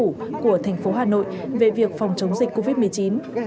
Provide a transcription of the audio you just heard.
của thành phố hà nội về việc phòng chống dịch covid một mươi chín